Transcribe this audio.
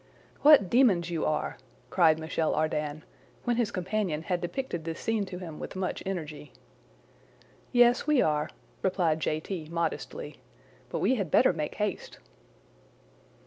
"What demons you are!" cried Michel Ardan, when his companion had depicted this scene to him with much energy. "Yes, we are," replied J. T. modestly; "but we had better make haste."